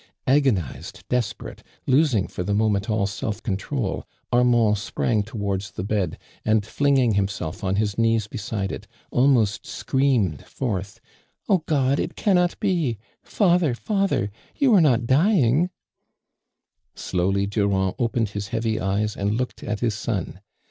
Agonized, desperate, losing for the moment all self control, Armand sprang towards the bed, and flinging himself on his knees be side it, almost screamed forth :" Oh, God 1 It cannot be I Father, Father, you are not dying I" Slowly Durand opened his heavy eyes and looked at his son.